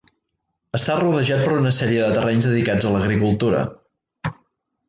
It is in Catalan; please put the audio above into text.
Està rodejat per una sèrie de terrenys dedicats a l'agricultura.